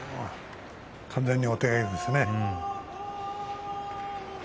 完全にお手上げですね。